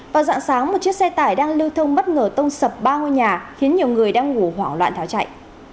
vào dạng sáng một chiếc xe tải đang lưu thông bất ngờ tông sập ba ngôi nhà khiến nhiều người đang ngủ hoảng loạn tháo chạy